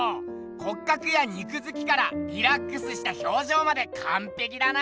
骨格や肉づきからリラックスした表情までかんぺきだな。